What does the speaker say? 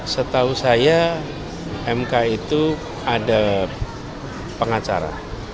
setahu saya mk itu ada pengacara